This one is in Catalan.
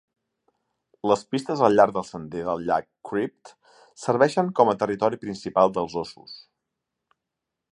Les pistes al llarg del sender del llac Crypt serveixen com a territori principal dels ossos.